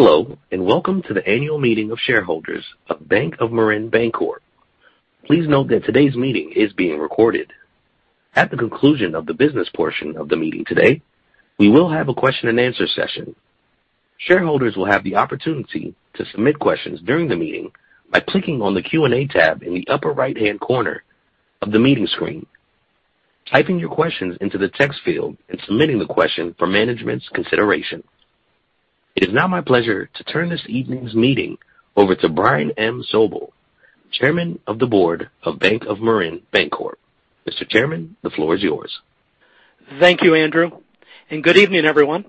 Hello, and welcome to the Annual Meeting of Shareholders of Bank of Marin Bancorp. Please note that today's meeting is being recorded. At the conclusion of the business portion of the meeting today, we will have a question-and-answer session. Shareholders will have the opportunity to submit questions during the meeting by clicking on the Q&A tab in the upper right-hand corner of the meeting screen, typing your questions into the text field, and submitting the question for management's consideration. It is now my pleasure to turn this evening's meeting over to Brian M. Sobel, Chairman of the Board of Bank of Marin Bancorp. Mr. Chairman, the floor is yours. Thank you, Andrew, and good evening, everyone.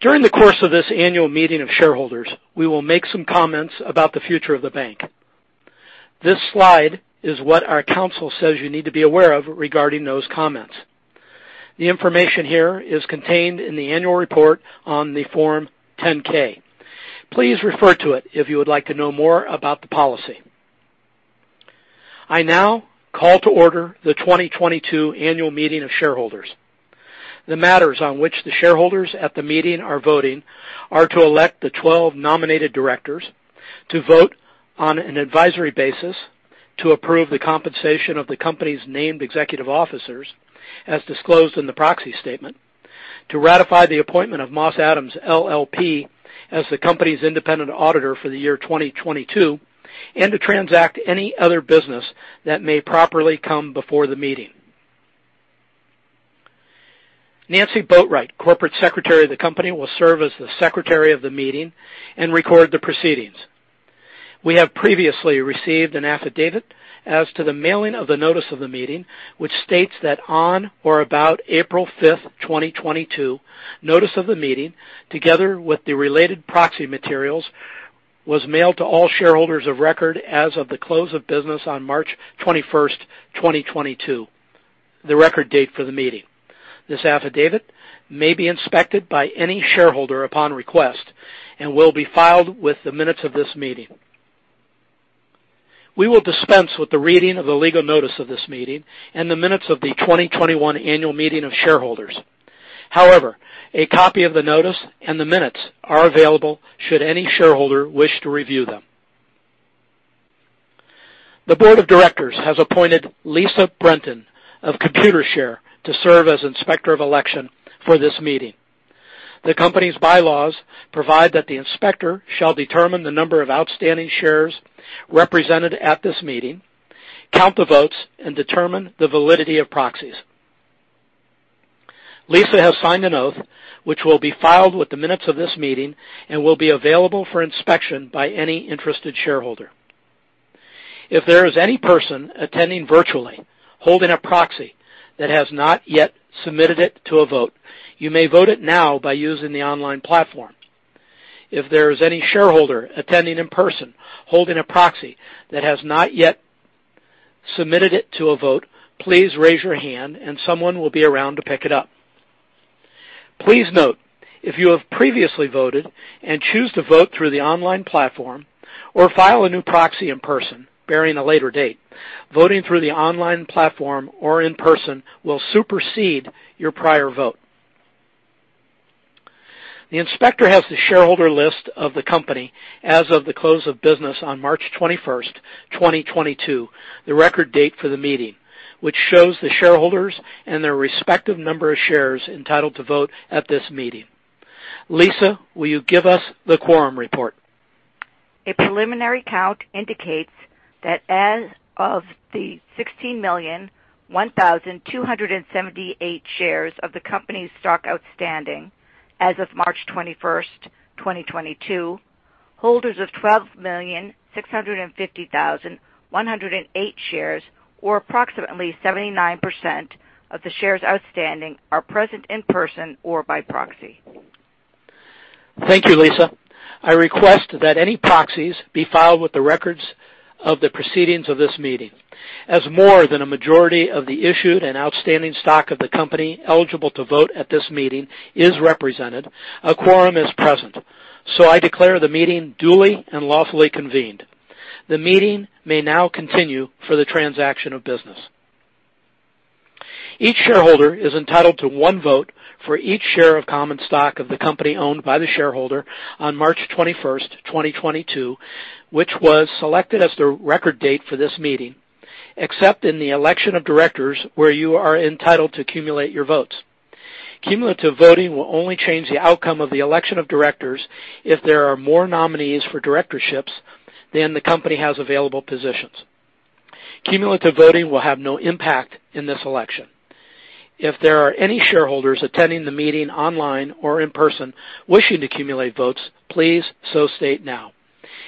During the course of this annual meeting of shareholders, we will make some comments about the future of the bank. This slide is what our counsel says you need to be aware of regarding those comments. The information here is contained in the annual report on Form 10-K. Please refer to it if you would like to know more about the policy. I now call to order the 2022 annual meeting of shareholders. The matters on which the shareholders at the meeting are voting are to elect the 12 nominated directors to vote on an advisory basis to approve the compensation of the company's named executive officers as disclosed in the proxy statement, to ratify the appointment of Moss Adams LLP as the company's independent auditor for the year 2022, and to transact any other business that may properly come before the meeting. Nancy Boatwright, Corporate Secretary of the company, will serve as the secretary of the meeting and record the proceedings. We have previously received an affidavit as to the mailing of the notice of the meeting, which states that on or about April 5, 2022, notice of the meeting, together with the related proxy materials, was mailed to all shareholders of record as of the close of business on March 21, 2022, the record date for the meeting. This affidavit may be inspected by any shareholder upon request and will be filed with the minutes of this meeting. We will dispense with the reading of the legal notice of this meeting and the minutes of the 2021 annual meeting of shareholders. However, a copy of the notice and the minutes are available should any shareholder wish to review them. The board of directors has appointed Lisa Brenton of Computershare to serve as Inspector of Election for this meeting. The company's bylaws provide that the inspector shall determine the number of outstanding shares represented at this meeting, count the votes, and determine the validity of proxies. Lisa has signed an oath which will be filed with the minutes of this meeting and will be available for inspection by any interested shareholder. If there is any person attending virtually holding a proxy that has not yet submitted it to a vote, you may vote it now by using the online platform. If there is any shareholder attending in person holding a proxy that has not yet submitted it to a vote, please raise your hand and someone will be around to pick it up. Please note if you have previously voted and choose to vote through the online platform or file a new proxy in person bearing a later date, voting through the online platform or in person will supersede your prior vote. The inspector has the shareholder list of the company as of the close of business on March 21st 2022, the record date for the meeting, which shows the shareholders and their respective number of shares entitled to vote at this meeting. Lisa, will you give us the quorum report? A preliminary count indicates that as of the 16,001,278 shares of the company's stock outstanding as of March 21, 2022, holders of 12,650,108 shares, or approximately 79% of the shares outstanding, are present in person or by proxy. Thank you, Lisa. I request that any proxies be filed with the records of the proceedings of this meeting. As more than a majority of the issued and outstanding stock of the company eligible to vote at this meeting is represented, a quorum is present. I declare the meeting duly and lawfully convened. The meeting may now continue for the transaction of business. Each shareholder is entitled to one vote for each share of common stock of the company owned by the shareholder on March 21, 2022, which was selected as the record date for this meeting, except in the election of directors where you are entitled to accumulate your votes. Cumulative voting will only change the outcome of the election of directors if there are more nominees for directorships than the company has available positions. Cumulative voting will have no impact in this election. If there are any shareholders attending the meeting online or in person wishing to accumulate votes, please so state now.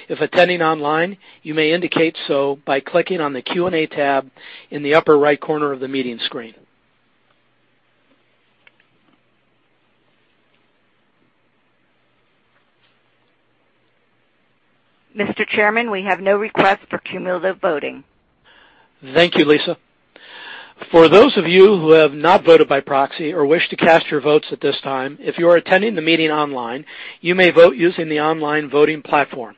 If attending online, you may indicate so by clicking on the Q&A tab in the upper right corner of the meeting screen. Mr. Chairman, we have no request for cumulative voting. Thank you, Lisa. For those of you who have not voted by proxy or wish to cast your votes at this time, if you are attending the meeting online, you may vote using the online voting platform.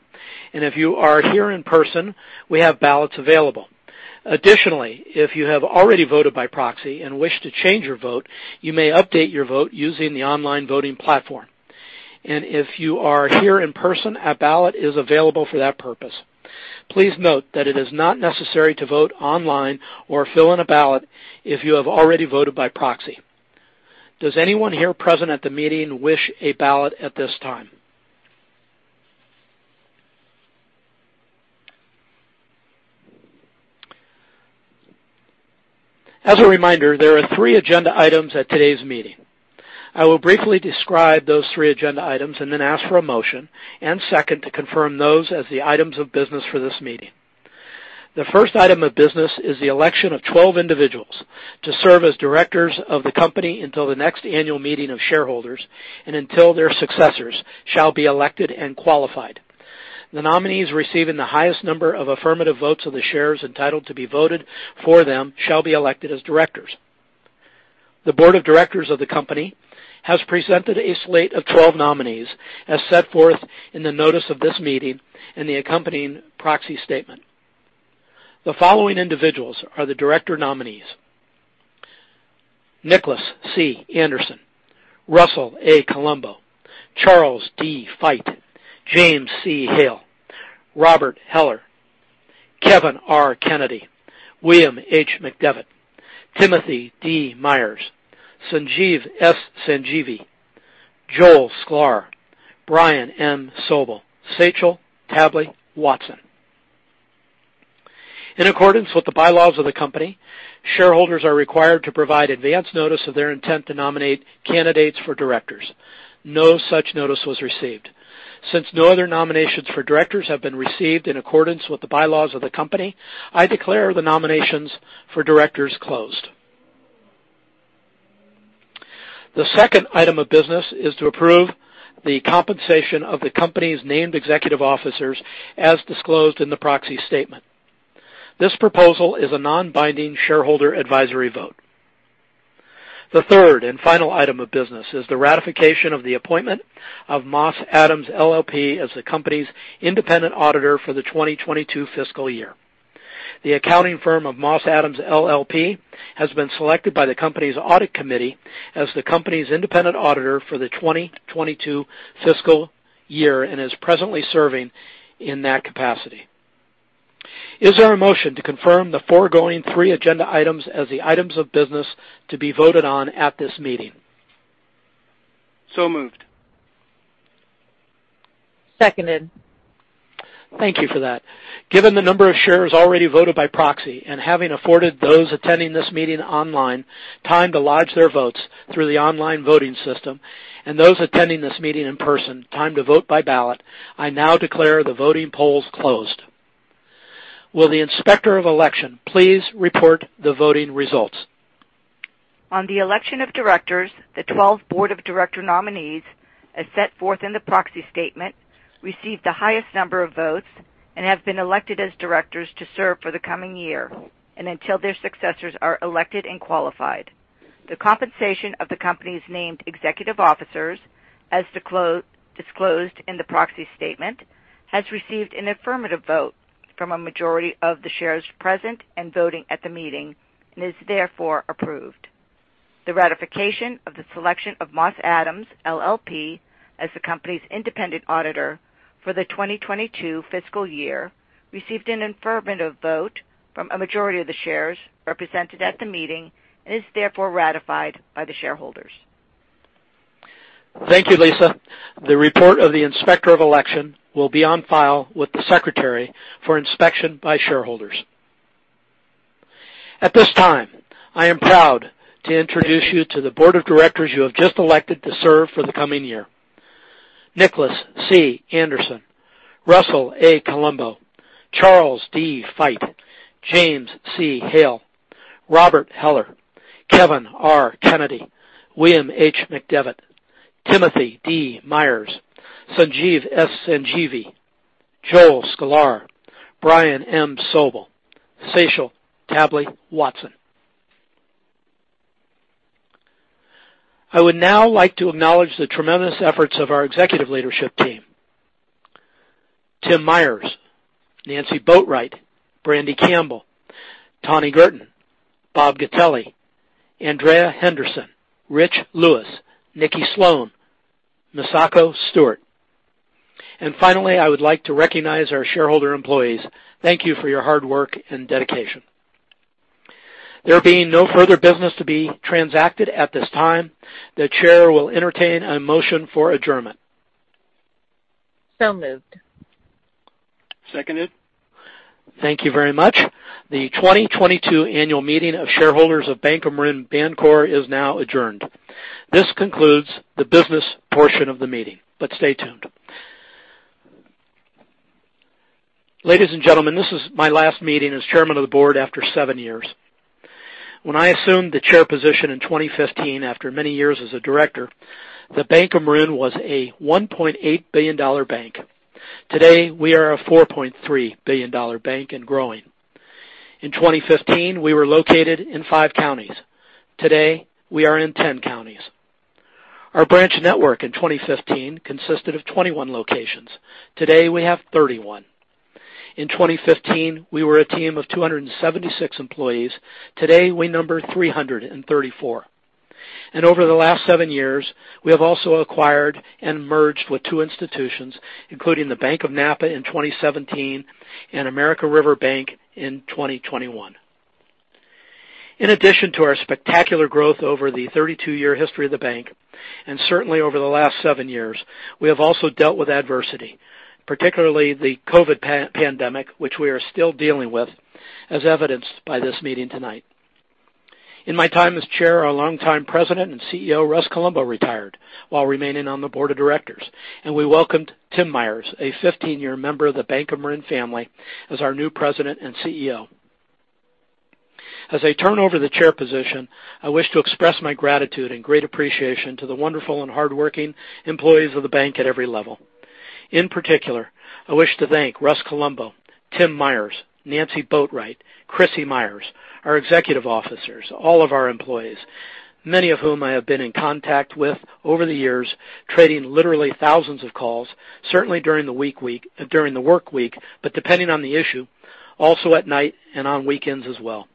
If you are here in person, we have ballots available. Additionally, if you have already voted by proxy and wish to change your vote, you may update your vote using the online voting platform. If you are here in person, a ballot is available for that purpose. Please note that it is not necessary to vote online or fill in a ballot if you have already voted by proxy. Does anyone here present at the meeting wish a ballot at this time? As a reminder, there are three agenda items at today's meeting. I will briefly describe those three agenda items and then ask for a motion and second to confirm those as the items of business for this meeting. The first item of business is the election of 12 individuals to serve as directors of the company until the next annual meeting of shareholders and until their successors shall be elected and qualified. The nominees receiving the highest number of affirmative votes of the shares entitled to be voted for them shall be elected as directors. The Board of Directors of the company has presented a slate of 12 nominees as set forth in the notice of this meeting in the accompanying proxy statement. The following individuals are the director nominees. Nicholas C. Anderson, Russell A. Colombo, Charles D. Fite, James C. Hale, Robert Heller, Kevin R. Kennedy, William H. McDevitt, Timothy D. Myers, Sanjiv S. Sanghvi, Joel Sklar, Brian M. Sobel, Secil Tabli Watson. In accordance with the bylaws of the company, shareholders are required to provide advance notice of their intent to nominate candidates for directors. No such notice was received. Since no other nominations for directors have been received in accordance with the bylaws of the company, I declare the nominations for directors closed. The second item of business is to approve the compensation of the company's named executive officers as disclosed in the proxy statement. This proposal is a non-binding shareholder advisory vote. The third and final item of business is the ratification of the appointment of Moss Adams LLP as the company's independent auditor for the 2022 fiscal year. The accounting firm of Moss Adams LLP has been selected by the company's audit committee as the company's independent auditor for the 2022 fiscal year and is presently serving in that capacity. Is there a motion to confirm the foregoing three agenda items as the items of business to be voted on at this meeting? Moved. Seconded. Thank you for that. Given the number of shares already voted by proxy and having afforded those attending this meeting online time to lodge their votes through the online voting system and those attending this meeting in person time to vote by ballot, I now declare the voting polls closed. Will the Inspector of Election please report the voting results. On the election of directors, the 12 board of director nominees, as set forth in the proxy statement, received the highest number of votes and have been elected as directors to serve for the coming year and until their successors are elected and qualified. The compensation of the company's named executive officers, as disclosed in the proxy statement, has received an affirmative vote from a majority of the shares present and voting at the meeting and is therefore approved. The ratification of the selection of Moss Adams LLP as the company's independent auditor for the 2022 fiscal year received an affirmative vote from a majority of the shares represented at the meeting and is therefore ratified by the shareholders. Thank you, Lisa. The report of the Inspector of Election will be on file with the Secretary for inspection by shareholders. At this time, I am proud to introduce you to the board of directors you have just elected to serve for the coming year. Nicholas C. Anderson, Russell A. Colombo, Charles D. Fite, James C. Hale, Robert Heller, Kevin R. Kennedy, William H. McDevitt, Timothy D. Myers, Sanjiv S. Sanghvi, Joel Sklar, Brian M. Sobel, Secil Tabli Watson. I would now like to acknowledge the tremendous efforts of our executive leadership team. Tim Myers, Nancy Boatright, Brandi Campbell, Tani Girton, Bob Gotelli, Andrea Henderson, Richard Lewis, Nikki Sloan, Misako Stewart. Finally, I would like to recognize our shareholder employees. Thank you for your hard work and dedication. There being no further business to be transacted at this time, the chair will entertain a motion for adjournment. Moved. Seconded. Thank you very much. The 2022 Annual Meeting of Shareholders of Bank of Marin Bancorp is now adjourned. This concludes the business portion of the meeting, but stay tuned. Ladies and gentlemen, this is my last meeting as chairman of the board after seven years. When I assumed the chair position in 2015 after many years as a director, the Bank of Marin was a $1.8 billion bank. Today, we are a $4.3 billion bank and growing. In 2015, we were located in five counties. Today, we are in 10 counties. Our branch network in 2015 consisted of 21 locations. Today, we have 31. In 2015, we were a team of 276 employees. Today, we number 334. Over the last seven years, we have also acquired and merged with two institutions, including the Bank of Napa in 2017 and American River Bank in 2021. In addition to our spectacular growth over the 32-year history of the bank and certainly over the last seven years, we have also dealt with adversity, particularly the COVID-19 pandemic, which we are still dealing with, as evidenced by this meeting tonight. In my time as chair, our longtime President and CEO, Russ Colombo, retired while remaining on the board of directors, and we welcomed Tim Myers, a 15-year member of the Bank of Marin family, as our new President and CEO. As I turn over the chair position, I wish to express my gratitude and great appreciation to the wonderful and hardworking employees of the bank at every level. In particular, I wish to thank Russ Colombo, Tim Myers, Nancy Boatwright, Krissy Meyer, our executive officers, all of our employees, many of whom I have been in contact with over the years, trading literally thousands of calls, certainly during the week during the work week, but depending on the issue, also at night and on weekends as well.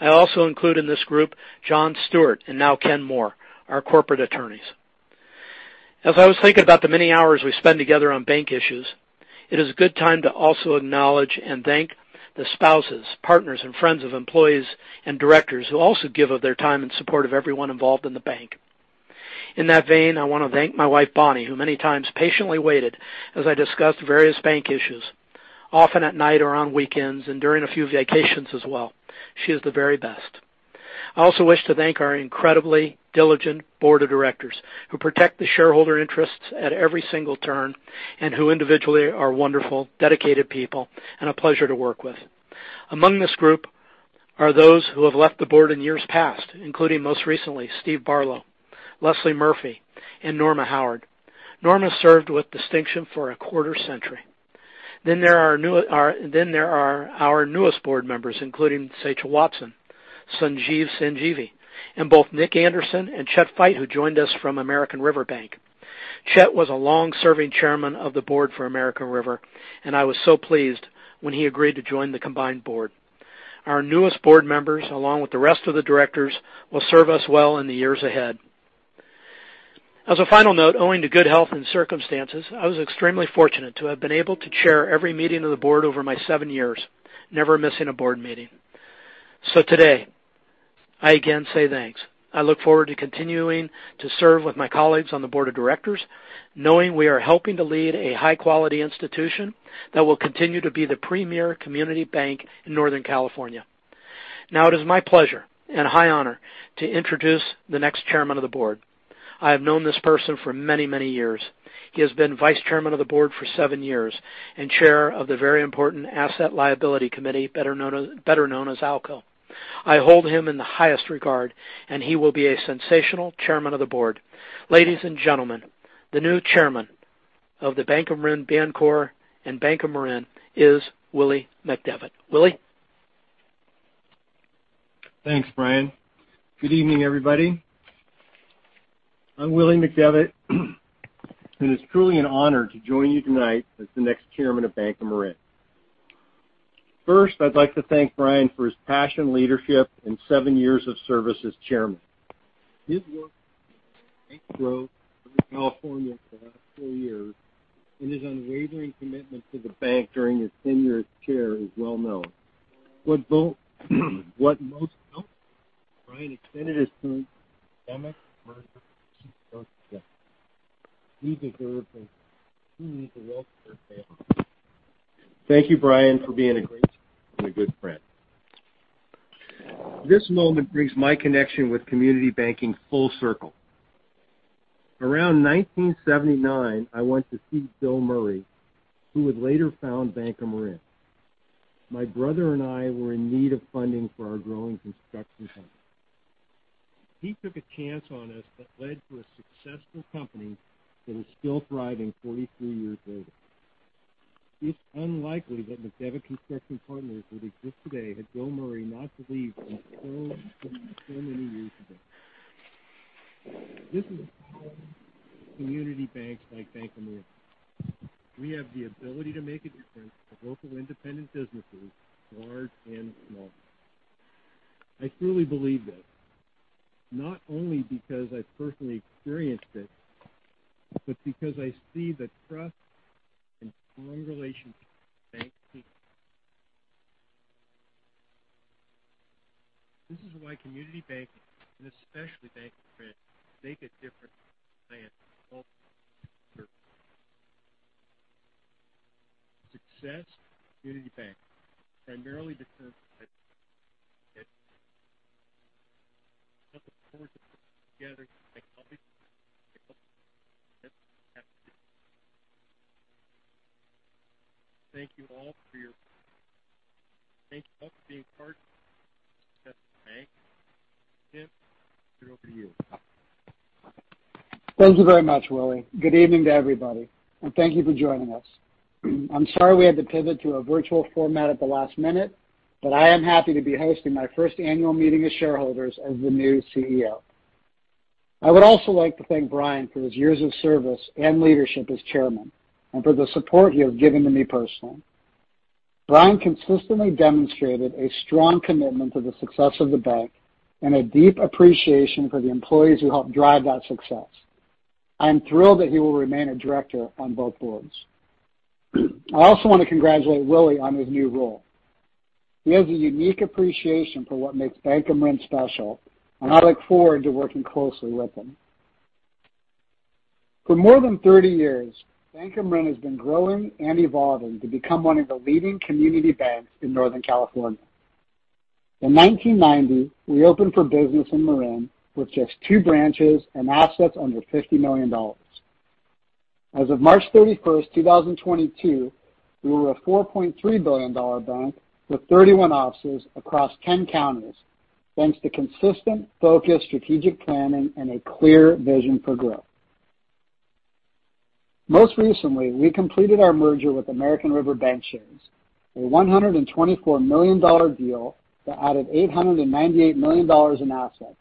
I also include in this group John Stewart and now Ken Moore, our corporate attorneys. As I was thinking about the many hours we spend together on bank issues, it is a good time to also acknowledge and thank the spouses, partners and friends of employees and directors who also give of their time in support of everyone involved in the bank. In that vein, I want to thank my wife, Bonnie, who many times patiently waited as I discussed various bank issues, often at night or on weekends and during a few vacations as well. She is the very best. I also wish to thank our incredibly diligent board of directors who protect the shareholder interests at every single turn and who individually are wonderful, dedicated people and a pleasure to work with. Among this group are those who have left the board in years past, including, most recently, Steve Barlow, Leslie Murphy, and Norma Howard. Norma served with distinction for a quarter century. There are our newest board members, including Secil Tabli Watson, Sanjiv Sanghvi, and both Nicolas Anderson and Charles D. Fite, who joined us from American River Bank. Charles D. Fite was a long serving chairman of the board for American River Bank, and I was so pleased when he agreed to join the combined board. Our newest board members, along with the rest of the directors, will serve us well in the years ahead. As a final note, owing to good health and circumstances, I was extremely fortunate to have been able to chair every meeting of the board over my seven years, never missing a board meeting. Today, I again say thanks. I look forward to continuing to serve with my colleagues on the board of directors, knowing we are helping to lead a high quality institution that will continue to be the premier community bank in Northern California. Now it is my pleasure and high honor to introduce the next chairman of the board. I have known this person for many, many years. He has been Vice Chairman of the Board for seven years and chair of the very important asset liability committee, better known as ALCO. I hold him in the highest regard, and he will be a sensational Chairman of the Board. Ladies and gentlemen, the new Chairman of the Bank of Marin Bancorp and Bank of Marin is Willie McDevitt. Willie? Thanks, Brian. Good evening, everybody. I'm Willie McDevitt, and it's truly an honor to join you tonight as the next chairman of Bank of Marin. First, I'd like to thank Brian for his passion, leadership, and seven years of service as chairman. His work in California for the last four years and his unwavering commitment to the bank during his tenure as chair is well known. Thank you, Brian, for being a great friend. This moment brings my connection with community banking full circle. Around 1979, I went to see Bill Murray, who would later founded Bank of Marin. My brother and I were in need of funding for our growing construction company. He took a chance on us that led to a successful company that is still thriving 43 years later. It's unlikely that McDevitt Construction Partners would exist today had Bill Murray not believed in so many years ago. This is community banks like Bank of Marin. We have the ability to make a difference for local independent businesses, large and small. I truly believe this, not only because I personally experienced it, but because I see the trust and strong relationship bank. This is why community banking, and especially Bank of Marin, make a difference. Success community bank primarily depends. Thank you all for being part. Tim, over to you. Thank you very much, Willie. Good evening to everybody, and thank you for joining us. I'm sorry we had to pivot to a virtual format at the last minute, but I am happy to be hosting my first annual meeting of shareholders as the new CEO. I would also like to thank Brian for his years of service and leadership as chairman and for the support he has given to me personally. Brian consistently demonstrated a strong commitment to the success of the bank and a deep appreciation for the employees who help drive that success. I am thrilled that he will remain a director on both boards. I also want to congratulate Willie on his new role. He has a unique appreciation for what makes Bank of Marin special, and I look forward to working closely with him. For more than 30 years, Bank of Marin has been growing and evolving to become one of the leading community banks in Northern California. In 1990, we opened for business in Marin with just two branches and assets under $50 million. As of March 31, 2022, we were a $4.3 billion bank with 31 offices across 10 counties, thanks to consistent, focused strategic planning and a clear vision for growth. Most recently, we completed our merger with American River Bankshares, a $124 million deal that added $898 million in assets,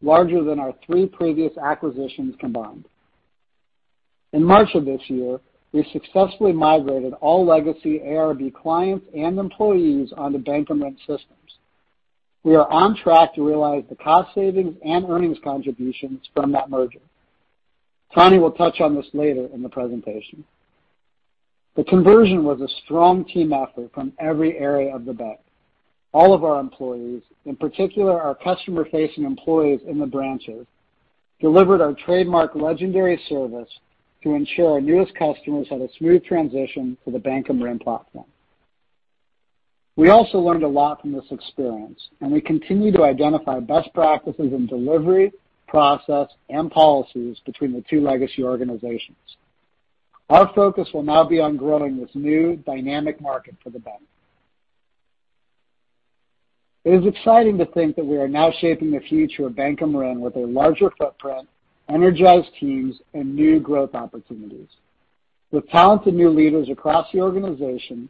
larger than our three previous acquisitions combined. In March of this year, we successfully migrated all legacy ARB clients and employees onto Bank of Marin systems. We are on track to realize the cost savings and earnings contributions from that merger. Tani will touch on this later in the presentation. The conversion was a strong team effort from every area of the bank. All of our employees, in particular our customer-facing employees in the branches, delivered our trademark legendary service to ensure our newest customers had a smooth transition to the Bank of Marin platform. We also learned a lot from this experience, and we continue to identify best practices in delivery, process, and policies between the two legacy organizations. Our focus will now be on growing this new dynamic market for the bank. It is exciting to think that we are now shaping the future of Bank of Marin with a larger footprint, energized teams, and new growth opportunities. With talented new leaders across the organization,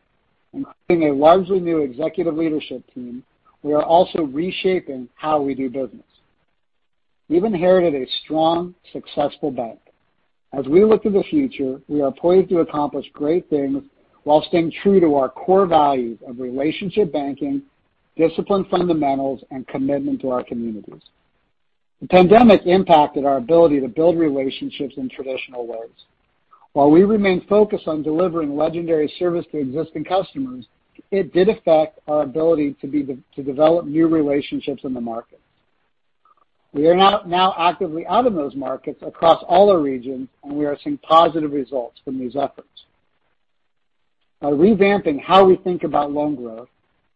including a largely new executive leadership team, we are also reshaping how we do business. We've inherited a strong, successful bank. As we look to the future, we are poised to accomplish great things while staying true to our core values of relationship banking, disciplined fundamentals, and commitment to our communities. The pandemic impacted our ability to build relationships in traditional ways. While we remain focused on delivering legendary service to existing customers, it did affect our ability to develop new relationships in the market. We are now actively out in those markets across all our regions, and we are seeing positive results from these efforts. By revamping how we think about loan growth,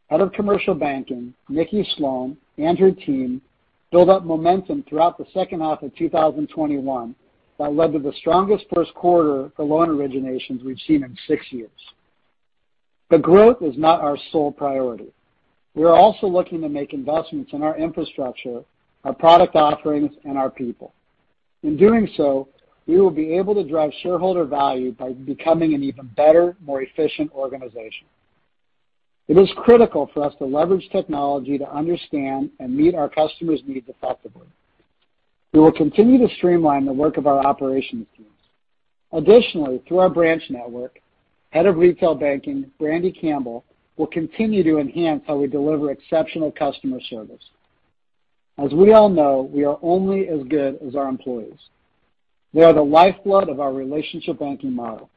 Head of Commercial Banking, Nikki Sloan and her team built up momentum throughout the second half of 2021 that led to the strongest first quarter for loan originations we've seen in six years. Growth is not our sole priority. We are also looking to make investments in our infrastructure, our product offerings, and our people. In doing so, we will be able to drive shareholder value by becoming an even better, more efficient organization. It is critical for us to leverage technology to understand and meet our customers' needs effectively. We will continue to streamline the work of our operations teams. Additionally, through our branch network, Head of Retail Banking, Brandi Campbell, will continue to enhance how we deliver exceptional customer service. As we all know, we are only as good as our employees. They are the lifeblood of our relationship banking model.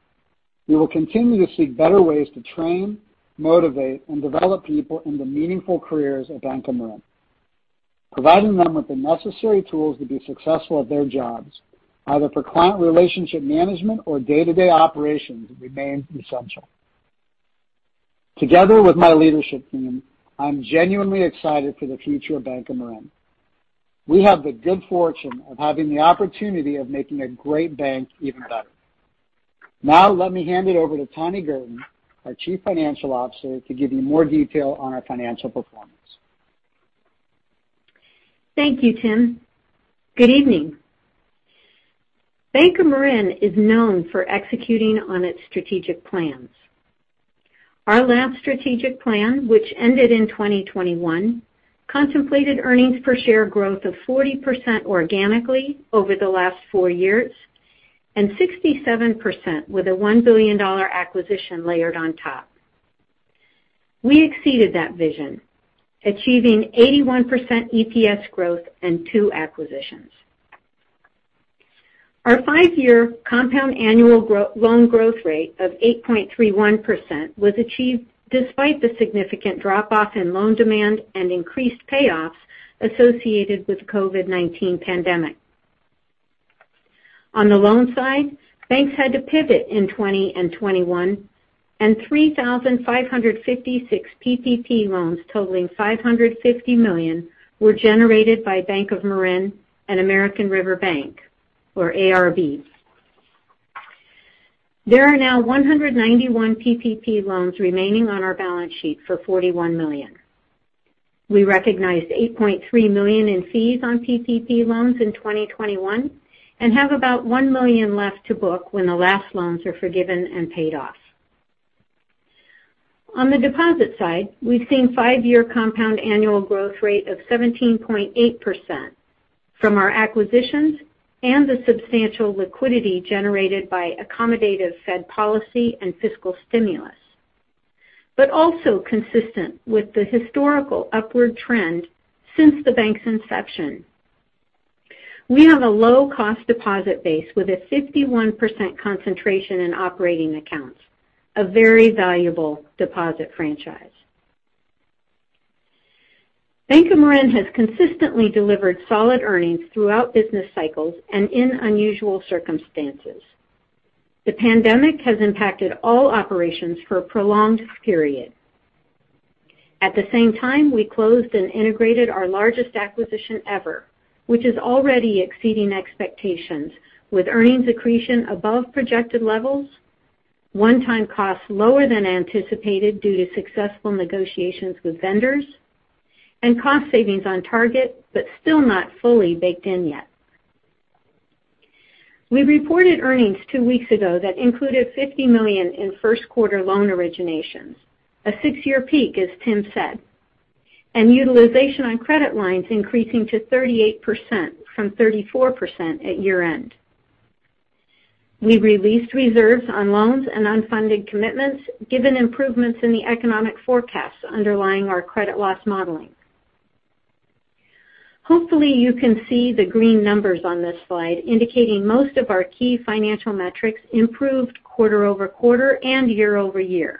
We will continue to seek better ways to train, motivate, and develop people into meaningful careers at Bank of Marin. Providing them with the necessary tools to be successful at their jobs, either for client relationship management or day-to-day operations, remains essential. Together with my leadership team, I'm genuinely excited for the future of Bank of Marin. We have the good fortune of having the opportunity of making a great bank even better. Now, let me hand it over to Tani Girton, our Chief Financial Officer, to give you more detail on our financial performance. Thank you, Tim. Good evening. Bank of Marin is known for executing on its strategic plans. Our last strategic plan, which ended in 2021, contemplated earnings per share growth of 40% organically over the last four years and 67% with a $1 billion acquisition layered on top. We exceeded that vision, achieving 81% EPS growth and two acquisitions. Our five-year compound annual loan growth rate of 8.31% was achieved despite the significant drop-off in loan demand and increased payoffs associated with COVID-19 pandemic. On the loan side, banks had to pivot in 2020 and 2021, and 3,556 PPP loans totaling $550 million were generated by Bank of Marin and American River Bank, or ARB. There are now 191 PPP loans remaining on our balance sheet for $41 million. We recognized $8.3 million in fees on PPP loans in 2021 and have about $1 million left to book when the last loans are forgiven and paid off. On the deposit side, we've seen five-year compound annual growth rate of 17.8% from our acquisitions and the substantial liquidity generated by accommodative Fed policy and fiscal stimulus. Also consistent with the historical upward trend since the bank's inception. We have a low-cost deposit base with a 51% concentration in operating accounts, a very valuable deposit franchise. Bank of Marin has consistently delivered solid earnings throughout business cycles and in unusual circumstances. The pandemic has impacted all operations for a prolonged period. At the same time, we closed and integrated our largest acquisition ever, which is already exceeding expectations with earnings accretion above projected levels, one-time costs lower than anticipated due to successful negotiations with vendors, and cost savings on target, but still not fully baked in yet. We reported earnings two weeks ago that included $50 million in first quarter loan originations, a six-year peak, as Tim said, and utilization on credit lines increasing to 38% from 34% at year-end. We released reserves on loans and unfunded commitments given improvements in the economic forecasts underlying our credit loss modeling. Hopefully, you can see the green numbers on this slide indicating most of our key financial metrics improved quarter-over-quarter and year-over-year.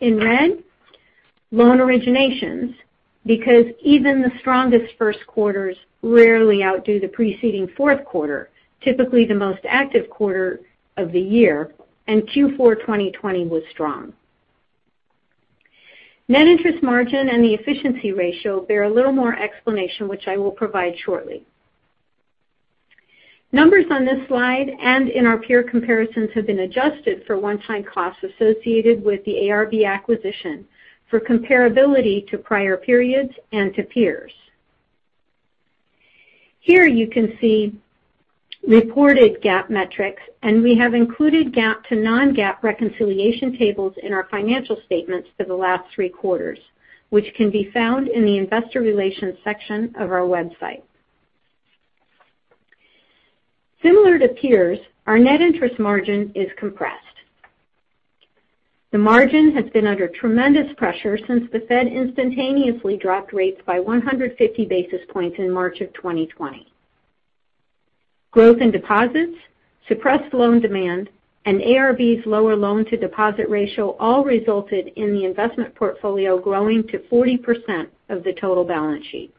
In red, loan originations because even the strongest first quarters rarely outdo the preceding fourth quarter, typically the most active quarter of the year, and Q4 2021 was strong. Net interest margin and the efficiency ratio bear a little more explanation, which I will provide shortly. Numbers on this slide and in our peer comparisons have been adjusted for one-time costs associated with the ARB acquisition for comparability to prior periods and to peers. Here you can see reported GAAP metrics, and we have included GAAP to non-GAAP reconciliation tables in our financial statements for the last three quarters, which can be found in the investor relations section of our website. Similar to peers, our net interest margin is compressed. The margin has been under tremendous pressure since the Fed instantaneously dropped rates by 150 basis points in March 2020. Growth in deposits, suppressed loan demand, and ARB's lower loan-to-deposit ratio all resulted in the investment portfolio growing to 40% of the total balance sheet.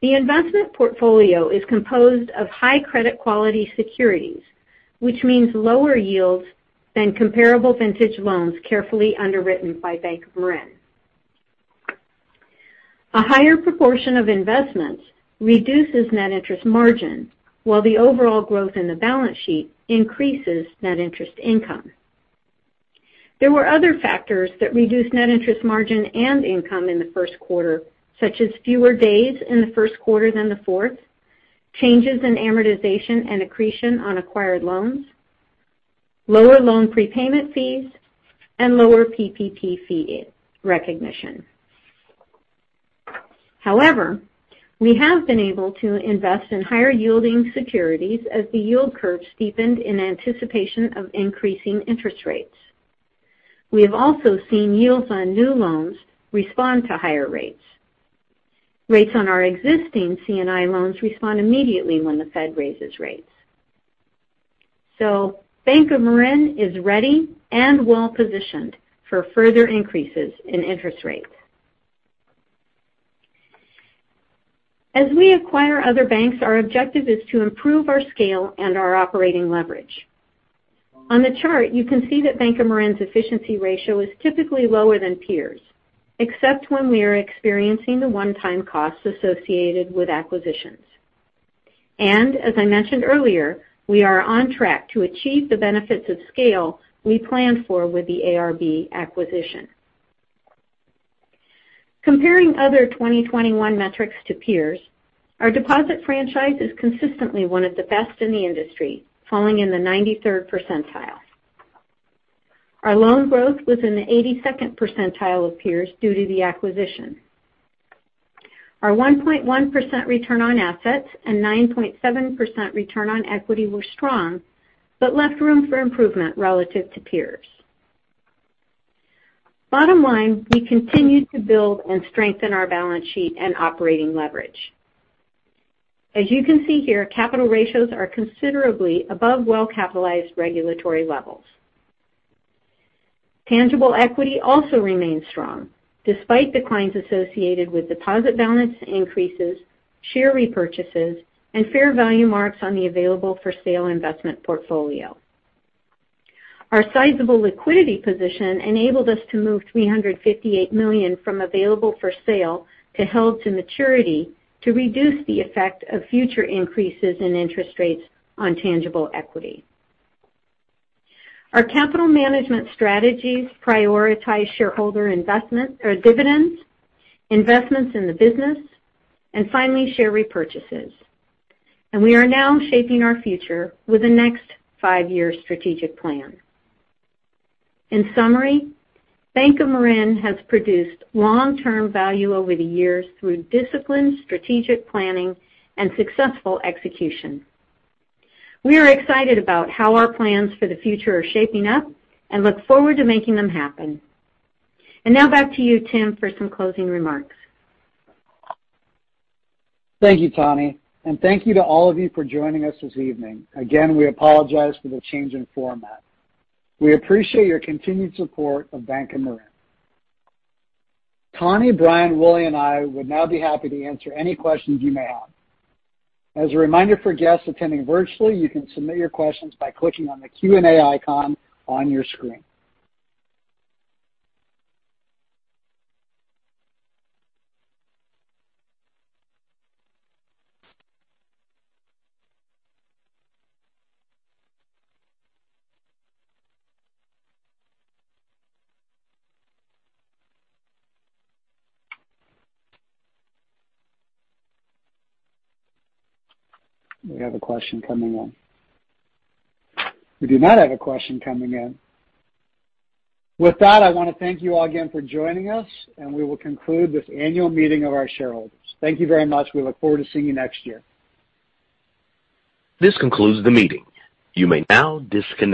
The investment portfolio is composed of high credit quality securities, which means lower yields than comparable vintage loans carefully underwritten by Bank of Marin. A higher proportion of investments reduces net interest margin, while the overall growth in the balance sheet increases net interest income. There were other factors that reduced net interest margin and income in the first quarter, such as fewer days in the first quarter than the fourth, changes in amortization and accretion on acquired loans, lower loan prepayment fees, and lower PPP fee recognition. However, we have been able to invest in higher-yielding securities as the yield curve steepened in anticipation of increasing interest rates. We have also seen yields on new loans respond to higher rates. Rates on our existing C&I loans respond immediately when the Fed raises rates. Bank of Marin is ready and well-positioned for further increases in interest rates. As we acquire other banks, our objective is to improve our scale and our operating leverage. On the chart, you can see that Bank of Marin's efficiency ratio is typically lower than peers, except when we are experiencing the one-time costs associated with acquisitions. as I mentioned earlier, we are on track to achieve the benefits of scale we planned for with the ARB acquisition. Comparing other 2021 metrics to peers, our deposit franchise is consistently one of the best in the industry, falling in the 93rd percentile. Our loan growth was in the 82nd percentile of peers due to the acquisition. Our 1.1% return on assets and 9.7% return on equity were strong but left room for improvement relative to peers. Bottom line, we continue to build and strengthen our balance sheet and operating leverage. As you can see here, capital ratios are considerably above well-capitalized regulatory levels. Tangible equity also remains strong despite declines associated with deposit balance increases, share repurchases, and fair value marks on the available for sale investment portfolio. Our sizable liquidity position enabled us to move $358 million from available for sale to held to maturity to reduce the effect of future increases in interest rates on tangible equity. Our capital management strategies prioritize shareholder investment or dividends, investments in the business, and finally, share repurchases. We are now shaping our future with the next five-year strategic plan. In summary, Bank of Marin has produced long-term value over the years through disciplined strategic planning and successful execution. We are excited about how our plans for the future are shaping up and look forward to making them happen. Now back to you, Tim, for some closing remarks. Thank you, Tani. Thank you to all of you for joining us this evening. Again, we apologize for the change in format. We appreciate your continued support of Bank of Marin. Tani, Brian, Willie, and I would now be happy to answer any questions you may have. As a reminder for guests attending virtually, you can submit your questions by clicking on the Q&A icon on your screen. We have a question coming in. We do not have a question coming in. With that, I wanna thank you all again for joining us, and we will conclude this annual meeting of our shareholders. Thank you very much. We look forward to seeing you next year. This concludes the meeting. You may now disconnect.